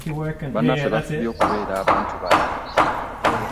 Bannaffe bafubye okubeera abantu balamu.